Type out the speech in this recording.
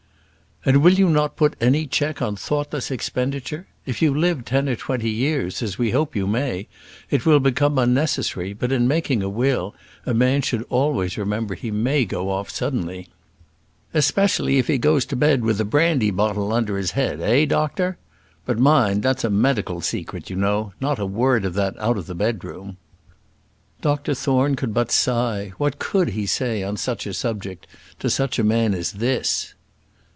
"And will you not put any check on thoughtless expenditure? If you live ten or twenty years, as we hope you may, it will become unnecessary; but in making a will, a man should always remember he may go off suddenly." "Especially if he goes to bed with a brandy bottle under his head; eh, doctor? But, mind, that's a medical secret, you know; not a word of that out of the bedroom." Dr Thorne could but sigh. What could he say on such a subject to such a man as this?